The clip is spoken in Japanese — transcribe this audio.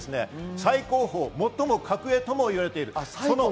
最高峰、最も格上ともいわれています。